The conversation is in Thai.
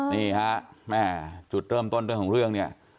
นี่ฮะแม่จุดเริ่มต้นเรื่องของเรื่องเนี่ย